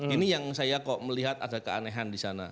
ini yang saya kok melihat ada keanehan di sana